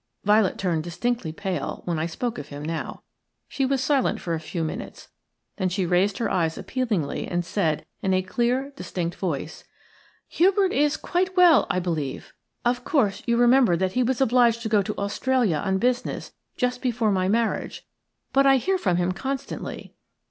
Violet turned distinctly pale when I spoke of him now. She was silent for a few minutes, then she raised her eyes appealingly and said, in a clear, distinct voice:– "Hubert is quite well, I believe. Of course, you remember that he was obliged to go to Australia on business just before my marriage, but I hear from him constantly."